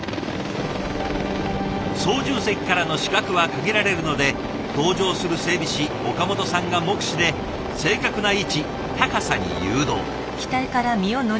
操縦席からの視覚は限られるので同乗する整備士岡本さんが目視で正確な位置高さに誘導。